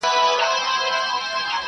د کرونا ویري نړۍ اخیستې!!